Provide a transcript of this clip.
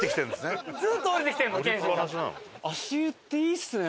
足湯っていいですね。